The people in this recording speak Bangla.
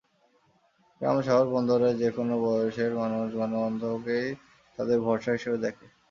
গ্রাম, শহর, বন্দরের যেকোনো বয়সের মানুষ গণমাধ্যমকেই তাদের ভরসা হিসেবে দেখে।